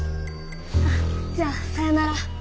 じゃあさよなら。